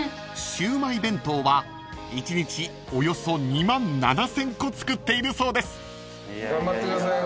［シウマイ弁当は１日およそ２万７，０００個作っているそうです］頑張ってください。